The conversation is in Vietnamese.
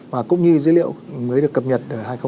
và cũng như dữ liệu mới được cập nhật ở hai nghìn hai mươi một